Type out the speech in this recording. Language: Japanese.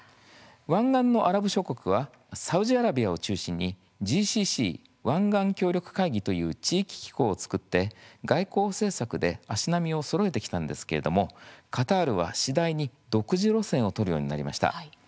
湾岸のアラブ諸国はサウジアラビアを中心にＧＣＣ・湾岸協力会議という地域機構を作って外交政策で足並みをそろえてきたんですけれどもカタールは次第に独自路線を取るようになりました。